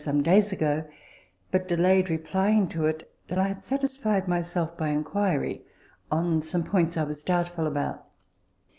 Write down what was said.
some days ago, but delayed replying to it till I had satisfied myself by inquiry on some points I was doubtful about.